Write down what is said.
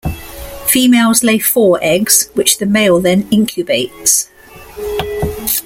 Females lay four eggs, which the male then incubates.